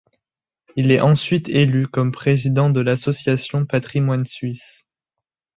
Il est ensuite élu comme président de l'association Patrimoine suisse.